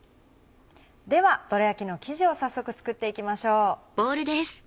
ではどら焼きの生地を早速作っていきましょう。